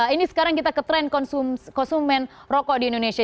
ini sekarang kita ke tren konsumen rokok di indonesia